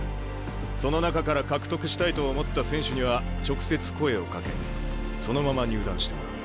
その中から獲得したいと思った選手には直接声をかけそのまま入団してもらう。